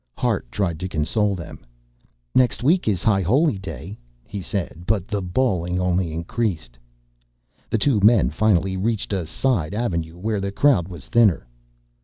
Hart tried to console them. "Next week is High Holy Day," he said, but the bawling only increased. The two men finally reached a side avenue where the crowd was thinner.